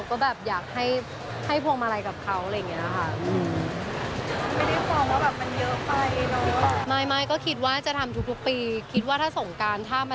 ถ้ามันว่างตรงกันอะไรอย่างนี้ค่ะ